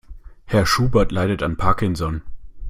Herr Schubert leidet an Parkinson.